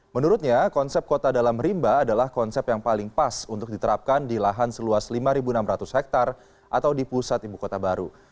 menurutnya konsep kota dalam rimba adalah konsep yang paling pas untuk diterapkan di lahan seluas lima enam ratus hektare atau di pusat ibu kota baru